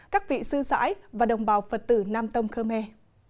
các vị sư sãi và đồng bào phật tử nam tông khmer